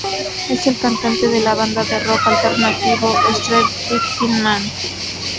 Es el cantante de la banda de rock alternativo Street Fighting Man.